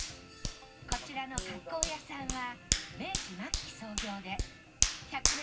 こちらの郭公屋さんは明治末期創業で１００年